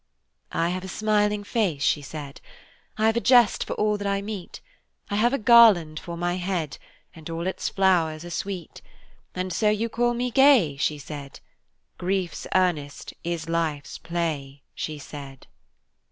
"'I have a smiling face,' she said, 'I have a jest for all I meet, I have a garland for my head, And all its flowers are sweet, And so you call me gay,' she said, 'Grief's earnest, is life's play,' she said."